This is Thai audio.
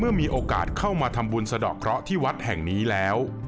คนที่มาทำบุญสะดอกเคราะห์ที่วัดแห่งนี้แล้ว